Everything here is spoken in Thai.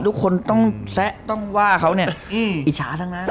ทุกคนต้องแซะต้องว่าเขาเนี่ยอิชาซักน้ำ